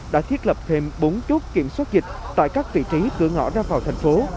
đã thiết lập thêm bốn chốt kiểm soát dịch tại các vị trí cửa ngõ ra vào thành phố